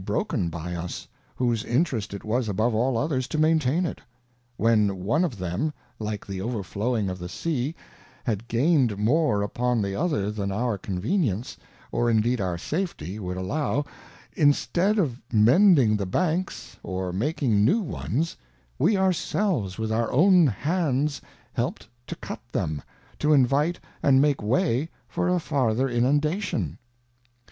bmkeaJjy us,_whose Interest it was above all others to maintain it ; when one of them, like the overflowing of the Sea, had gained more upon the other than our convenience, or indeed our safety, would allow, instead of mending the Banks, or making new ones, we our selves with our own hands helpt to cut them, to invite and make way for a farther Inundation.